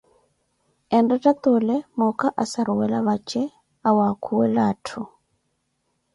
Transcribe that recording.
Enretta toole muuka asaruwela vaje, awaakuwa atthu